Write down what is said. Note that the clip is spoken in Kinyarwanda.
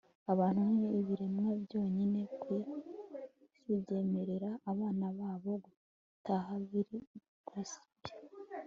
abantu ni ibiremwa byonyine ku isi byemerera abana babo gutaha. - bill cosby